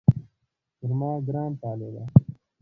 پر ما ګران طالبه